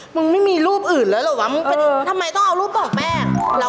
มึงไม่มีรูปอื่นเหรอเหรอเปล่าทำไมต้องเอารูปแป้ง